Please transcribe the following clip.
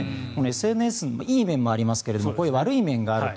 ＳＮＳ、いい面もありますがこういう悪い面もあると。